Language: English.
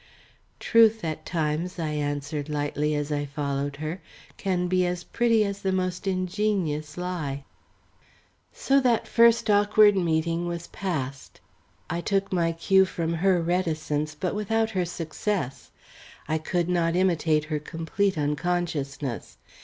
"Truth at times," I answered lightly as I followed her, "can be as pretty as the most ingenious lie." So that first awkward meeting was past. I took my cue from her reticence, but without her success. I could not imitate her complete unconsciousness.